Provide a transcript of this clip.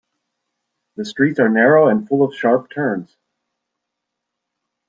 The streets are narrow and full of sharp turns.